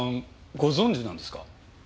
ご存じなんですか？